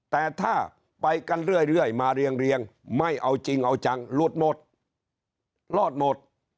แต่ถ้าไปกันเรื่อยมาเรียงไม่เอาจริงเอาจังหลุดหมดรอดหมด